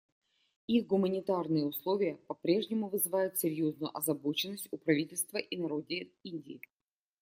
Их гуманитарные условия по-прежнему вызывают серьезную озабоченность у правительства и народа Индии.